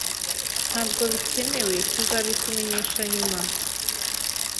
Ntabwo bikenewe tuzabikumenyesha nyuma